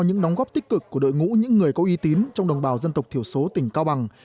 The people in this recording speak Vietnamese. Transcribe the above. những đóng góp tích cực của đội ngũ những người có uy tín trong đồng bào dân tộc thiểu số tỉnh cao bằng